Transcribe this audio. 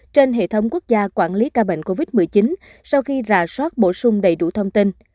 trên hệ thống quốc gia quản lý ca bệnh covid một mươi chín sau khi rà soát bổ sung đầy đủ thông tin